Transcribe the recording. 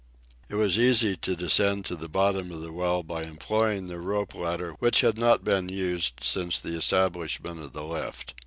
It was easy to descend to the bottom of the well by employing the rope ladder which had not been used since the establishment of the lift.